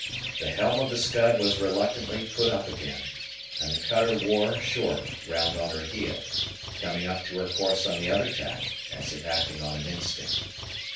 The helm of the Scud was reluctantly put up again, and the cutter wore short round on her heel, coming up to her course on the other tack, as if acting on an instinct.